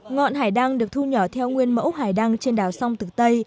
ngọn hải đăng được thu nhỏ theo nguyên mẫu hải đăng trên đảo sông tử tây